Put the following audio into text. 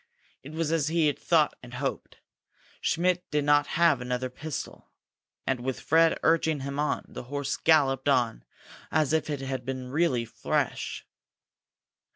It was as he had thought and hoped; Schmidt did not have another pistol. And, with Fred urging him on, the horse galloped on as if it had been really fresh.